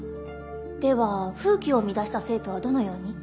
では風紀を乱した生徒はどのように？